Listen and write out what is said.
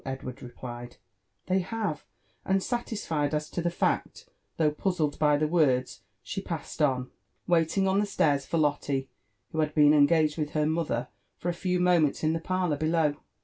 Edward replied, '' They have;" and satisfied as to the fact, though puzzled by Ihe words, she passed on, waiting on the stairs for Lotte, who had been engaged with her mother. for a few moments in the parlour below.